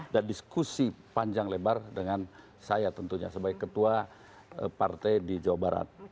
dan diskusi panjang lebar dengan saya tentunya sebagai ketua partai di jawa barat